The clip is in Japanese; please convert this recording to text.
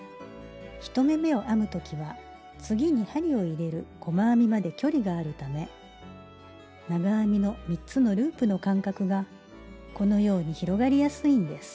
１目めを編む時は次に針に入れる細編みまで距離があるため長編みの３つのループの間隔がこのように広がりやすいんです。